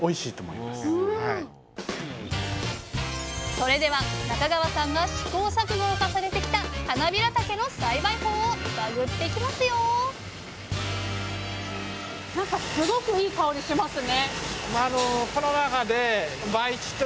それでは中川さんが試行錯誤を重ねてきたはなびらたけの栽培法を探っていきますよなんかすごくいい香りしますね。